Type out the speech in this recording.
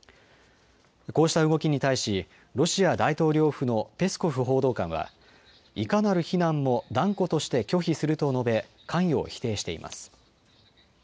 こうした動きに対しロシア大統領府のペスコフ報道官はいかなる非難も断固として拒否すると述べ、関与を否定しています。